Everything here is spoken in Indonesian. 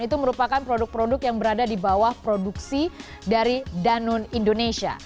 itu merupakan produk produk yang berada di bawah produksi dari danon indonesia